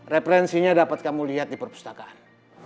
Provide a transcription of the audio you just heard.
referensinya dapat kamu lihat di perpustakaan